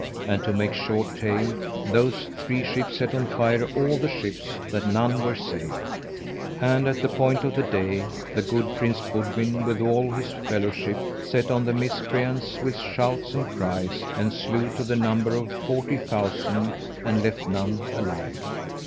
And to make short tale, those three ships set on fire all the ships, that none were saved. And at point of the day the good Prince Boudwin with all his fellowship set on the miscreants with shouts and cries, and slew to the number of forty thousand, and left none alive.